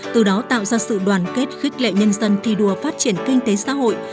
từ đó tạo ra sự đoàn kết khích lệ nhân dân thi đua phát triển kinh tế xã hội